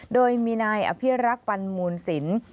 โดยมีนายอภิรักษ์ปันมูลศิลป์